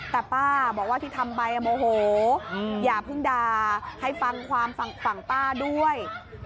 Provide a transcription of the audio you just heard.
แต่ป้าบอกว่าที่ทำไปโมโหอย่าเพิ่งด่าให้ฟังความฝั่งป้าด้วย